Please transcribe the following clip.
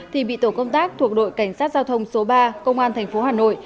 thì bị tổ công tác thuộc đội cảnh sát giao thông số ba công an thành phố hà nội